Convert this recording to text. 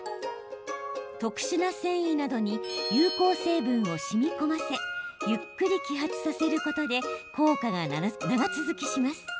特殊な繊維などに有効成分をしみこませゆっくり揮発させることで効果が長続きします。